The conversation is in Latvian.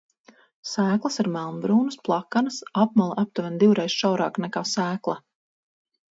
Sēklas ir melnbrūnas, plakanas, apmale aptuveni divreiz šaurāka nekā sēkla.